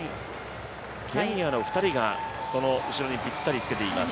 ケニアの２人がその後ろにぴったりと着けています。